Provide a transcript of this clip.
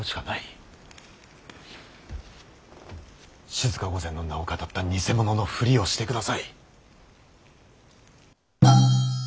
静御前の名をかたった偽者のふりをしてください。